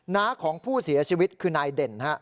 น้าของผู้เสียชีวิตคือนายเด่น